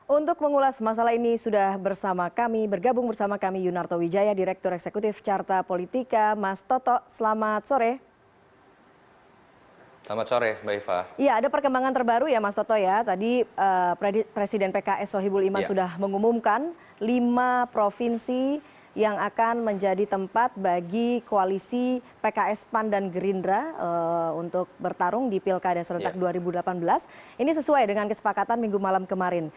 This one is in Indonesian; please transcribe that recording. untuk bertarung di pilkada seletak dua ribu delapan belas ini sesuai dengan kesepakatan minggu malam kemarin